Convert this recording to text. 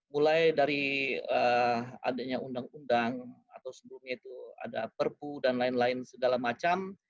mulai dari adanya undang undang atau sebelumnya itu ada perpu dan lain lain segala macam